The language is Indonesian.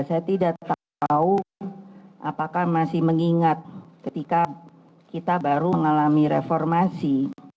saya tidak tahu apakah masih mengingat ketika kita baru mengalami reformasi